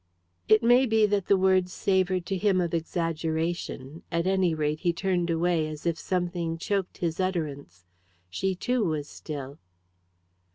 It may be that the words savoured to him of exaggeration; at any rate, he turned away, as if something choked his utterance. She, too, was still.